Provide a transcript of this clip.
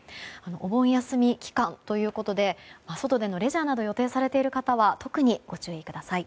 お盆休み期間ということで外でのレジャーなどを予定されている方は特にご注意ください。